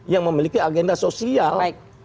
yang memiliki agenda sosial